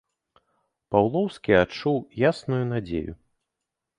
Паўлоўскі адчуў ясную надзею.